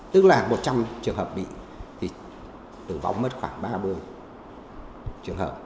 tức là một trăm linh trường hợp bị thì tử vong mất khoảng ba mươi trường hợp